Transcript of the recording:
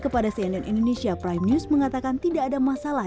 kepada cnn indonesia prime news mengatakan tidak ada masalah